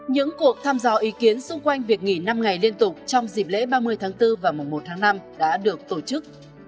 những cuộc thăm dò ý kiến xung quanh việc nghỉ năm ngày liên tục trong dịp lễ ba mươi tháng bốn và mùa một tháng năm đã được tổ chức